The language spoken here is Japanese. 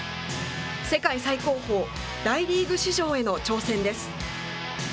世界最高峰、大リーグ市場への挑戦です。